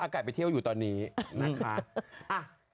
ไก่ไปเที่ยวอยู่ตอนนี้นะคะ